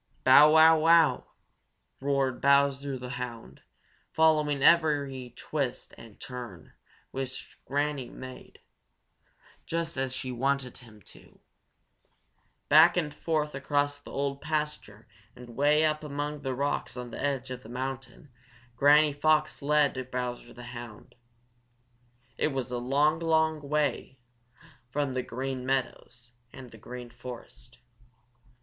"Bow, wow, wow!" roared Bowser the Hound, following every twist and turn which Granny Fox made, just as she wanted him to. Back and forth across the old pasture and way up among the rocks on the edge of the mountain Granny Fox led Bowser the Hound. It was a long, long, long way from the Green Meadows and the Green Forest.